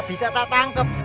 bisa tak tangkep